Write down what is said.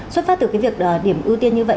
xuất phát từ cái việc điểm ưu tiên như vậy